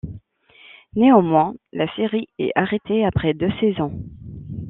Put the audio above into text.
Néanmoins, la série est arrêtée après deux saisons.